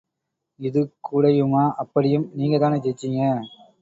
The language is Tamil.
இது கூடயுமா... அப்படியும் நீங்கதானே ஜெயிச்சிங்க?